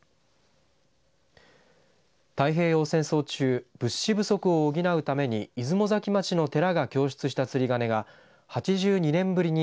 太平洋戦争中物資不足を補うために出雲崎町の寺が供出した釣り鐘が８２年ぶりに